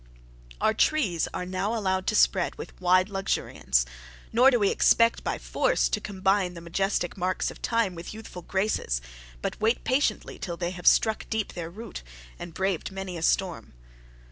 Our trees are now allowed to spread with wild luxuriance, nor do we expect by force to combine the majestic marks of time with youthful graces; but wait patiently till they have struck deep their root, and braved many a storm.